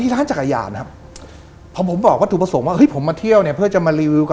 ลุยหน่อยอืม